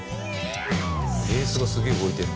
ベースがすげえ動いてる。